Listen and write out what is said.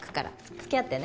付き合ってね